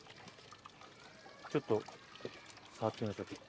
ちょっと触ってみましょうか。